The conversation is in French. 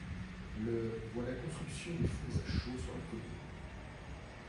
Le voit la construction des fours à chaux sur la commune.